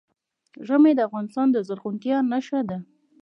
ژمی د افغانستان د زرغونتیا نښه ده.